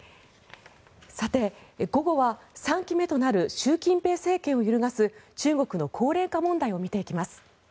さて、午後は３期目となる習近平政権を揺るがす中国の高齢化問題を見ていきます。